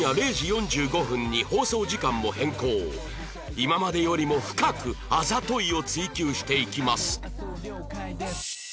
今までよりも深くあざといを追求していきます